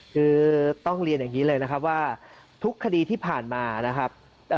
คือต้องเรียนอย่างนี้เลยนะครับว่าทุกคดีที่ผ่านมานะครับ